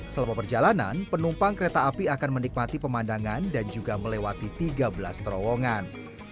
selama perjalanan penumpang kereta api akan menikmati pemandangan dan juga melewati tiga belas terowongan